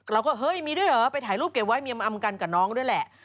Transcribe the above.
เราก็เฮ้ยมีด้วยเหรอไปถ่ายรูปเก็บไว้เมียมาอำกันกับน้องด้วยแหละ